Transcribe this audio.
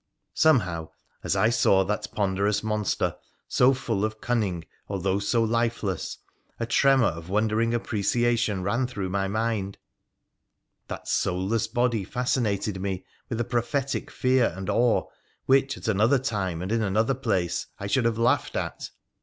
Somehow, as I saw that ponderous monster, so full of cunning although so lifeless, a tremor of wondering apprecia tion ran through my mind, that soulless body fascinated me with a prophetic fear and awe which at another time and in another place I should have laughed at.